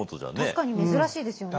確かに珍しいですよね。